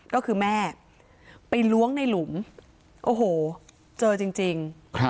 ก็คือแม่ไปล้วงในหลุมโอ้โหเจอจริง